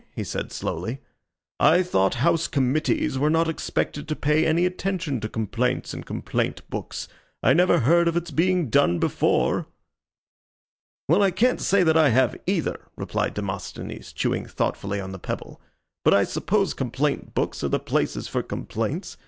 he said, slowly. "I thought house committees were not expected to pay any attention to complaints in complaint books. I never heard of its being done before." "Well, I can't say that I have either," replied Demosthenes, chewing thoughtfully on the pebble, "but I suppose complaint books are the places for complaints.